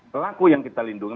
pelaku yang kita lindungi